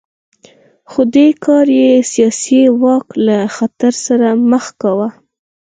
خو دې کار یې سیاسي واک له خطر سره مخ کاوه